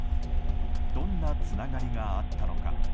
どんなつながりがあったのか。